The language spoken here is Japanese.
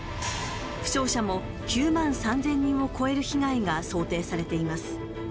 負傷者も９万３０００人を超える被害が想定されています